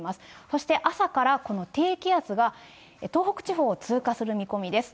そして朝からこの低気圧が東北地方を通過する見込みです。